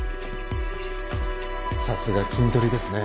さすがキントリですね。